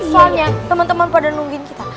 soalnya temen temen pada nunggin kita